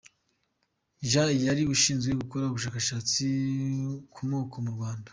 Jan yari ashinzwe gukora ubushakashatsi ku moko mu Rwanda.